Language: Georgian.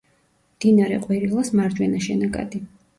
მდინარე ყვირილის მარჯვენა შენაკადი.